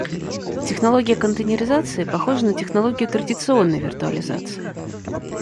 Технология контейнеризации похожа на технологию традиционной виртуализации